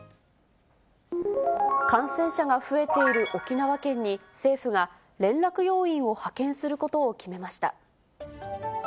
感染者が増えている沖縄県に、政府が連絡要員を派遣することを決めました。